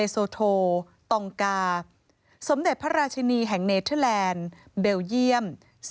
สมเด็จพระราชนีแห่งเนเธอแลนซ์เบลเยี่ยม